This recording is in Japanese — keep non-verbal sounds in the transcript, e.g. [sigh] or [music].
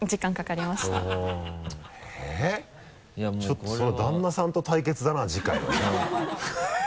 ちょっとそれは旦那さんと対決だな次回はじゃあ [laughs]